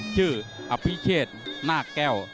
ชื่ออภิเชษนากแก้ว